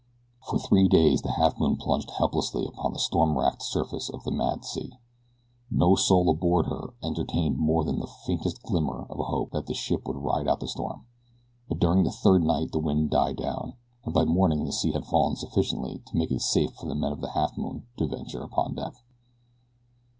For three days the Halfmoon plunged helplessly upon the storm wracked surface of the mad sea. No soul aboard her entertained more than the faintest glimmer of a hope that the ship would ride out the storm; but during the third night the wind died down, and by morning the sea had fallen sufficiently to make it safe for the men of the Halfmoon to venture upon deck.